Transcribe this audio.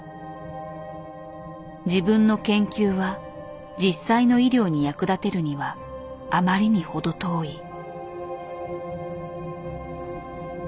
自分の研究は実際の医療に役立てるにはあまりに程遠い。